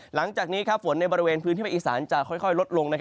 หลังจากนี้ฝนในบริเวณพื้นที่ภาคอีสานจะค่อยลดลง